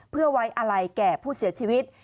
เพื่อไว้อะไรแก่ผู้เสียชีวิต